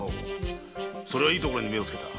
それはいいところに目をつけた。